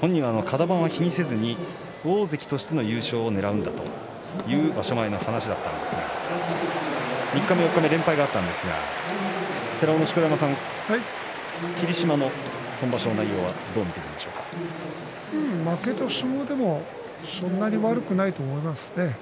本人はカド番は気にせずに大関としての優勝をねらうんだとそういう場所前の話だったんですが、三日目四日目で連敗があったんですが寺尾の錣山さん、霧島の負けた相撲でもそんなに悪くないと思いますね。